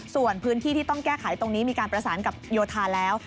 ส่วนพื้นที่ที่ต้องแก้ไขตรงนี้มีการประสานกับโยธาแล้ว